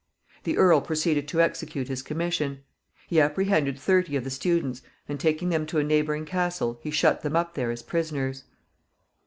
The earl proceeded to execute his commission. He apprehended thirty of the students, and, taking them to a neighboring castle, he shut them up there as prisoners.